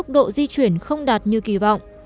di chuyển không đạt như kỳ vọng